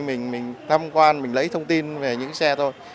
mình tham quan mình lấy thông tin về những xe thôi